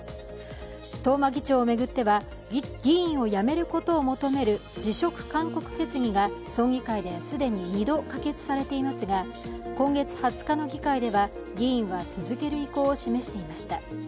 東間議長を巡っては議員を辞めることを求める辞職勧告決議が村議会で既に２度可決されていますが、今月２０日の議会では、議員は続ける意向を示していました。